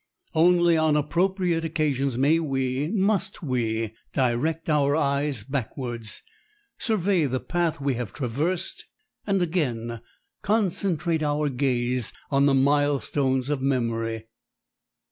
Only on appropriate occasions may we, must we, direct our eyes backwards, survey the path we have traversed, and again concentrate our gaze on the milestones of memory.